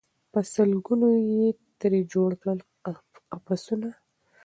په سل ګونو یې ترې جوړ کړل قفسونه